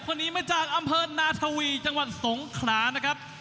คนนี้มาจากอำเภอนาทวีจังหวัดสงขลานะครับ